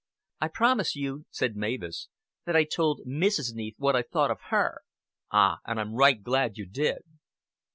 "I promise you," said Mavis, "that I told Mrs. Neath what I thought of her." "An' I'm right glad you did."